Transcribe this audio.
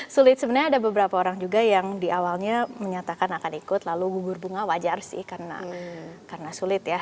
sulit sebenarnya ada beberapa orang juga yang di awalnya menyatakan akan ikut lalu gugur bunga wajar sih karena sulit ya